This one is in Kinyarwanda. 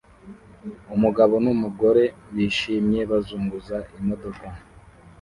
Umugabo n'umugore bishimye bazunguza imodoka